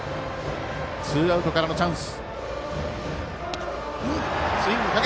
ツーアウトからのチャンス。